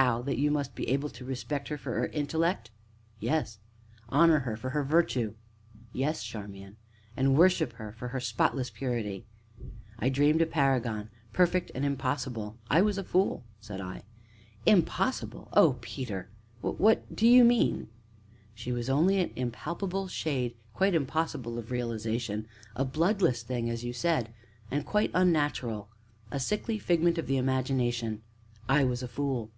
"How that you must be able to respect her for her intellect?" "Yes." "Honor her for her virtue?" "Yes, Charmian." "And worship her for her spotless purity?" "I dreamed a paragon perfect and impossible; I was a fool!" said I. "Impossible! Oh, Peter! what what do you mean?" "She was only an impalpable shade quite impossible of realization a bloodless thing, as you said, and quite unnatural a sickly figment of the imagination. I was a fool!"